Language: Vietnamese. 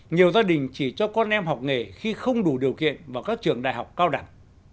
nhiều gia đình chỉ cho con em học nghề khi không đủ điều kiện vào các trường đại học cao đẳng